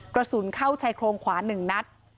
กระสุนเข้าชายโครงขวา๑นัด